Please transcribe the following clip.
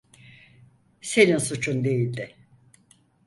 Senin suçun değildi.